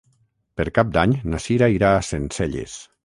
Per Cap d'Any na Sira irà a Sencelles.